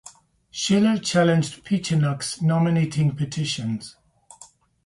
Shiller challenged Pechenuk's nominating petitions.